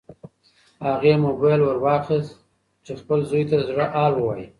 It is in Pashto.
هغې موبایل ورواخیست چې خپل زوی ته د زړه حال ووایي.